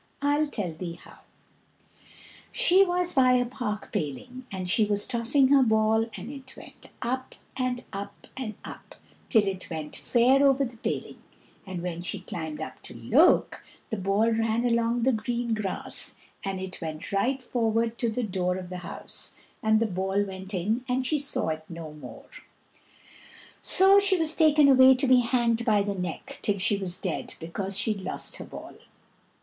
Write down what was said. I'll tell thee how. She was by a park paling, and she was tossing her ball, and it went up, and up, and up, till it went fair over the paling; and when she climbed up to look, the ball ran along the green grass, and it went right forward to the door of the house, and the ball went in and she saw it no more. So she was taken away to be hanged by the neck till she was dead because she'd lost her ball.